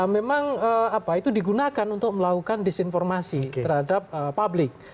memang apa itu digunakan untuk melakukan disinformasi terhadap publik